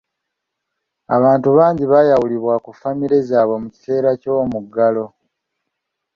Abantu bangi baayawulibwa ku famire zaabwe mu kiseera ky'omuggalo.